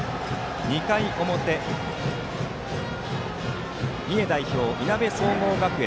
２回表、三重代表いなべ総合学園